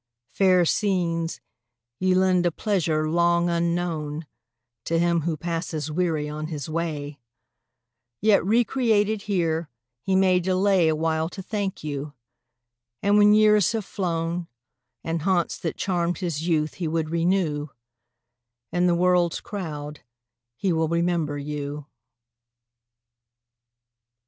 Fair scenes, ye lend a pleasure, long unknown, To him who passes weary on his way; Yet recreated here he may delay A while to thank you; and when years have flown, And haunts that charmed his youth he would renew, In the world's crowd he will remember you.